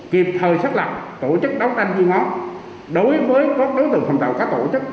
kịp thời xác lập tổ chức đấu tranh duy ngón đối với các đối tượng phòng tàu các tổ chức